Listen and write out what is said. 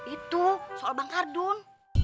itu soal bankardun